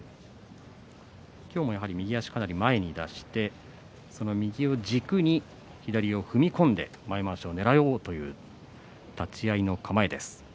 今日も、やはり右足をかなり前に出してその右を軸に左を踏み込んで前まわしをねらおうという立ち合いの構えです。